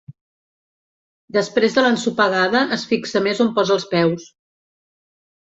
Després de l'ensopegada es fixa més on posa els peus.